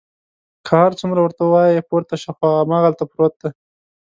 که هر څومره ورته وایي پورته شه، خو هماغلته پروت دی.